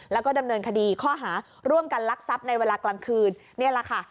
แล้วก็ดำเนินคดีข้อหาร่วมกันลักทรัพย์ในเวลากลางคืนนี่แหละค่ะ